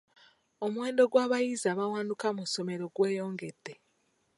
Omuwendo gw'abayizi abawanduka mu ssomero gweyongedde.